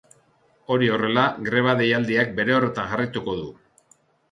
Hori horrela, greba deialdiak bere horretan jarraituko du.